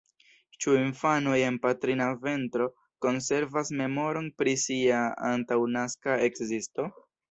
Ĉu infanoj en patrina ventro konservas memoron pri sia antaŭnaska ekzisto?